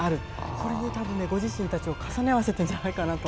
これにたぶん、ご自身たちを重ね合わせているんじゃないかなと。